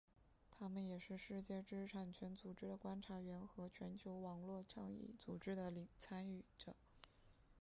他们也是世界知识产权组织的观察员和全球网络倡议组织的参与者。